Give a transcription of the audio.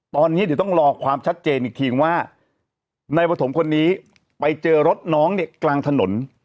ตอนนี้เดี๋ยวต้องรอความชัดเจนอีกทีว่านายปฐมคนนี้ไปเจอรถน้องเนี่ยกลางถนน